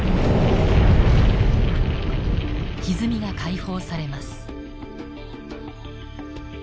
ひずみが解放されます。